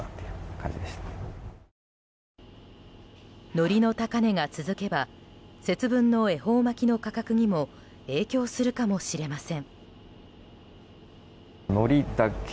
のりの高値が続けば節分の恵方巻の価格にも影響するかもしれません。